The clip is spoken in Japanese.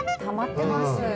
たまってます。